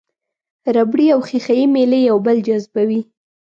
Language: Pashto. ربړي او ښيښه یي میلې یو بل جذبوي.